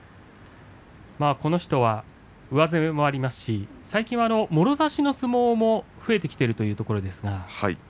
この人は上背もありますし最近は、もろ差しの相撲も増えてきているというところですが。